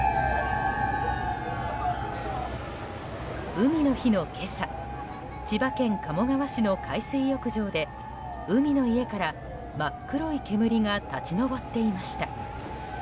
海の日の今朝千葉県鴨川市の海水浴場で海の家から、真っ黒い煙が立ち上っていました。